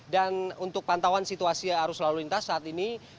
dan untuk pantauan situasi arus lalu lintas saat ini